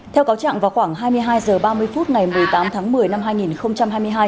theo cáo trạng vào khoảng hai mươi hai h ba mươi phút ngày một mươi tám tháng một mươi năm hai nghìn hai mươi hai